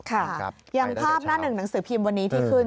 ค่ะอย่างภาพหน้าหนึ่งหนังสือพิมพ์วันนี้ที่ขึ้น